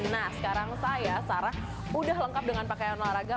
nah sekarang saya sarah udah lengkap dengan pakaian olahraga